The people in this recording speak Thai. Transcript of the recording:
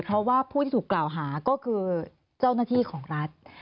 เพราะว่าผู้ที่ถูกกล่าวหาก็คือเจ้าหน้าที่ของรัฐ